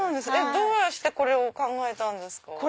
どうしてこれを考えたんですか？